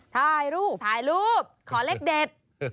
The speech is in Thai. ถ่ายรูปถ่ายรูปขอเลขเด็ด